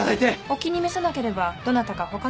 お気に召さなければどなたか他の方に。